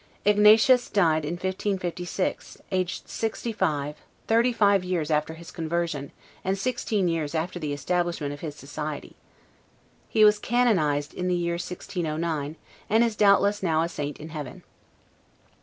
Ignatius died in 1556, aged sixty five, thirty five years after his conversion, and sixteen years after the establishment of his society. He was canonized in the year 1609, and is doubtless now a saint in heaven.